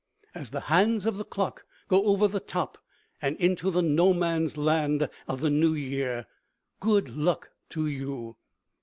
As the hands of the clock go over the top and into the No Man's Land of the New Year, good luck to you!